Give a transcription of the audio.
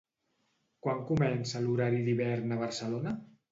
Quan comença l'horari d'hivern a Barcelona?